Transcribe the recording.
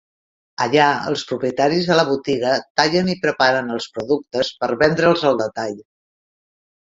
Allà els propietaris de la botiga tallen i preparen els productes per vendre'ls al detall.